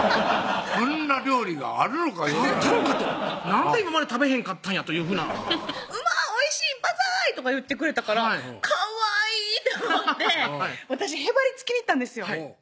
こんな料理があるのかあったのかとなんで今まで食べへんかったんやというふうな「うまっおいしい万歳！」とか言ってくれたからかわいいって思って私へばりつきに行ったんですよ